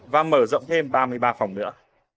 và mở rộng thêm ba mươi ba phòng nữa